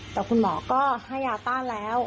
แต่คุณหมอก็ให้ยาต้านแล้ว